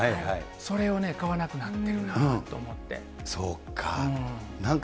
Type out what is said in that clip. それをね、買わなくなってるなとそっかぁ。